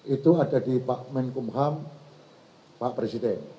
itu ada di pak menkumham pak presiden